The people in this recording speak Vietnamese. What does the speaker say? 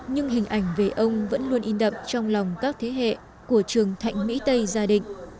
nhưng hình ảnh về ông vẫn luôn in đậm trong lòng các thế hệ của trường thạnh mỹ tây gia định